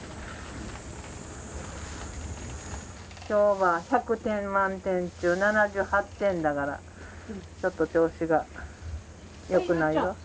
今日は１００点満点中７８点だからちょっと調子がよくないよ。